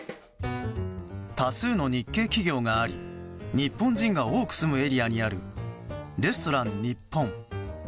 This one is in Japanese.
多数の日系企業があり日本人が多く住むエリアにあるレストラン日本。